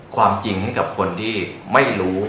ความจริงให้กับคนที่ไม่รู้